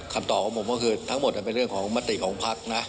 คำตอบของผมก็คือทั้งหมดเป็นเรื่องของมติของพักนะ